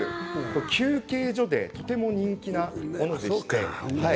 休憩所でとても人気なものでして。